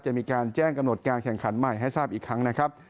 จะมีการแจ้งกำหนดการแข่งขันใหม่ให้ทราบอีกครั้งนะครับ